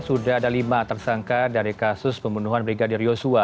sudah ada lima tersangka dari kasus pembunuhan brigadir yosua